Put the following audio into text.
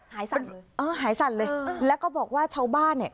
สั่นเออหายสั่นเลยแล้วก็บอกว่าชาวบ้านเนี่ย